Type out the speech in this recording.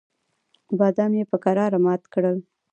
بادام یې په کراره مات کړل.